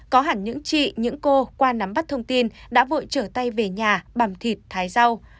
có hẳn những chị những cô qua nắm bắt thông tin đã vội trở tay về nhà bằng thịt thái rau